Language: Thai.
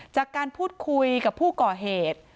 จากการพูดคุยกับผู้ก่อเหตุ